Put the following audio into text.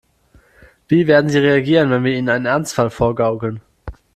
Wie werden sie reagieren, wenn wir ihnen einen Ernstfall vorgaukeln?